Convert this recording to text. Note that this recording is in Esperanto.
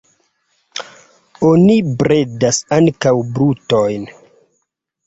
Oni bredas ankaŭ brutojn.